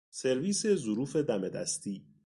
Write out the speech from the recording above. سرویس ظروف دم دستی